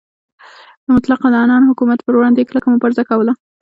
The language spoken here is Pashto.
د مطلق العنان حکومت پروړاندې یې کلکه مبارزه کوله.